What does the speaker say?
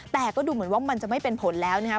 แต่ก็ดูเหมือนว่ามันจะไม่เป็นผลแล้วนะครับ